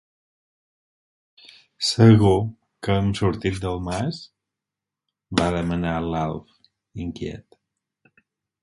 Segur que hem sortit del mas? —va demanar l'Alf, inquiet.